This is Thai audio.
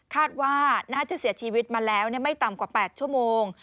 คาดว่าน่าจะเสียชีวิตมาแล้วไม่ต่ำกว่า๘ชั่วโมง